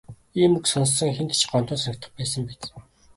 Ийм үг сонссон хэнд ч гомдмоор санагдах байсан биз.